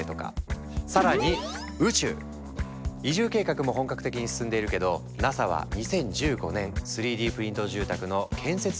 移住計画も本格的に進んでいるけどＮＡＳＡは２０１５年３Ｄプリント住宅の建設コンテストを開始。